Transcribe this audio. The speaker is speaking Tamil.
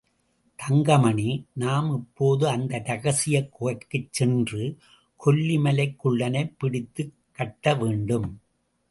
தங்கமணி, நாம் இப்போது அந்த ரகசியக் குகைக்குச் சென்று, கொல்லி மலைக் குள்ளனைப் பிடித்துக் கட்டவேண்டும்.